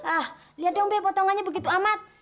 ah lihat dong deh potongannya begitu amat